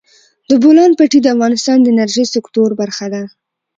د بولان پټي د افغانستان د انرژۍ سکتور برخه ده.